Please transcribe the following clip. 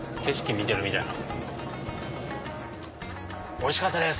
おいしかったです